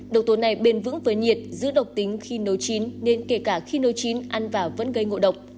độc tố này bền vững với nhiệt giữ độc tính khi nấu chín nên kể cả khi nấu chín ăn vào vẫn gây ngộ độc